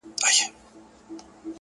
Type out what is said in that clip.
نو چي شاعر پخپله نه په پوهیږي -